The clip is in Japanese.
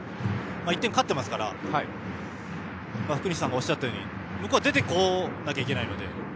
１点勝っていますから福西さんがおっしゃるように向こうは出てこなきゃいけないので。